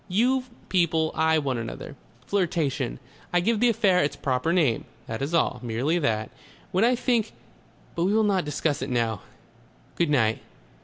You people eye one another.... Flirtation. I give the affair its proper name. That is all. Merely that. When I think But we will not discuss it now.... Good night....